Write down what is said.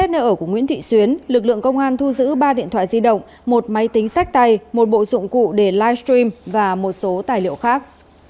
một bộ dụng cụ để livestream và một số tài liệu khác